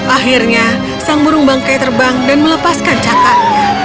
akhirnya sang burung bangkai terbang dan melepaskan cakar